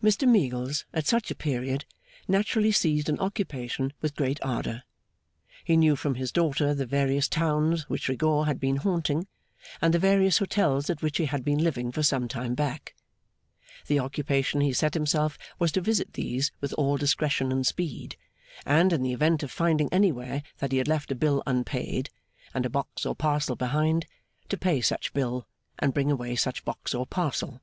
Mr Meagles, at such a period, naturally seized an occupation with great ardour. He knew from his daughter the various towns which Rigaud had been haunting, and the various hotels at which he had been living for some time back. The occupation he set himself was to visit these with all discretion and speed, and, in the event of finding anywhere that he had left a bill unpaid, and a box or parcel behind, to pay such bill, and bring away such box or parcel.